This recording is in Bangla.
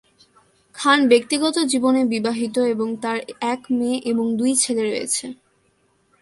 খান ব্যক্তিগত জীবনে বিবাহিত এবং তার এক মেয়ে এবং দুই ছেলে রয়েছে।